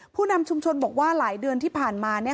ผู้นำชุมชนบอกว่าหลายเดือนที่ผ่านมา